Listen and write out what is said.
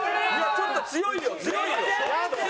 ちょっと強いよ強いよ。